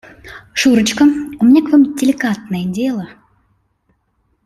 Шурочка, у меня к Вам деликатное дело.